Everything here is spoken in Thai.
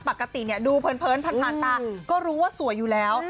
ปกติดูเพลินผ่านตาก็รู้ว่าสวยอยู่แล้ว